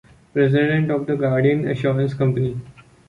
President of the Guardian Assurance Company.